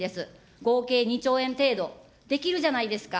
合計２兆円程度、できるじゃないですか。